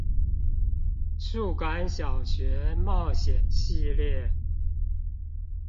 數感小學冒險系列